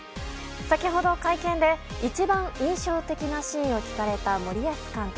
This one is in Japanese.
先ほど会見で一番印象的なシーンを聞かれた森保監督。